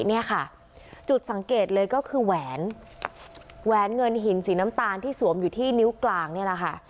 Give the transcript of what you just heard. เนี่ยค่ะจุดสังเกตเลยก็คือแหวนแหวนเงินหินสีน้ำตาลที่สวมอยู่ที่นิ้วกลางนี่แหละค่ะ